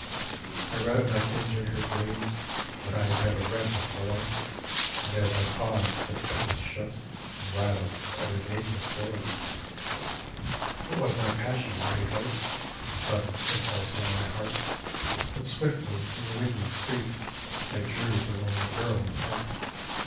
I read a message in her gaze That I had never read before; And as I paused the tempest shook And rattled every neighboring door. It was not passion that evoked The sudden impulse in my heart; But swiftly from the windy street I drew the lonely girl apart.